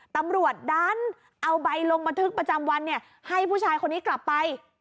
ตำรวจดันเอาใบลงบันทึกประจำวันให้ผู้ชายคนนี้กลับไป